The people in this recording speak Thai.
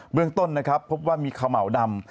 เบื้องต้นนะครับพบว่ามีเขาเหมาดำ